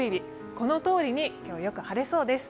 このとおりに今日はよく晴れそうです。